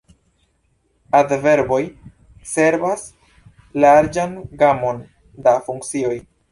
Adverboj servas larĝan gamon da funkcioj.